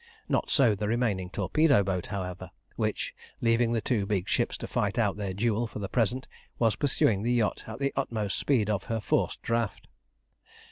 Not so the remaining torpedo boat, however, which, leaving the two big ships to fight out their duel for the present, was pursuing the yacht at the utmost speed of her forced draught.